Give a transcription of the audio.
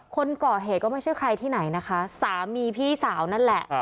คนก่อเหตุก็ไม่ใช่ใครที่ไหนนะคะสามีพี่สาวนั่นแหละ